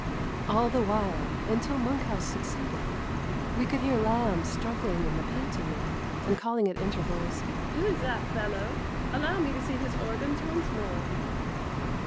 All the while, until Monkhouse succeeded, we could hear Lamb struggling in the painting room, and calling at inter vals, " Who is that fellow 1 Allow me to see his organs once more."